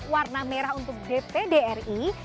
warna merah untuk dpd ri